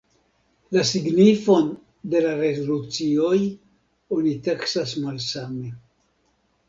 La signifon de la rezolucioj oni taksas malsame.